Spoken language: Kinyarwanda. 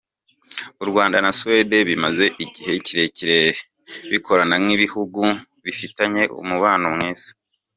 U Rwanda na Suède bimaze igihe kirekire bikorana nk’ibihugu bifitanye umubano mwiza.